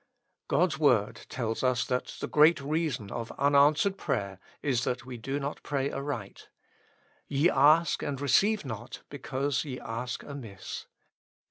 God's word tells us that the great reason of unanswered prayer is that we do not pray aright :" Ye ask and receive not, because ye ask amiss."